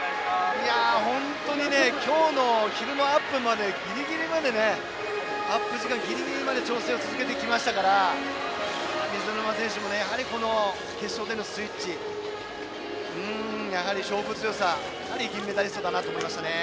本当に今日の昼間アップまで時間ギリギリまでね調整を続けてきましたから水沼選手もこの決勝でのスイッチ勝負強さ、やはり銀メダリストだと思いました。